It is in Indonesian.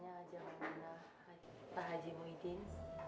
gimana kabarnya jaman muda pak haji muhyiddin